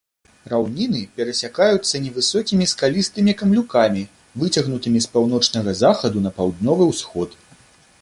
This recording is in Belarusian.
Раўніны перасякаюцца невысокімі скалістымі камлюкамі, выцягнутымі з паўночнага захаду на паўднёвы ўсход.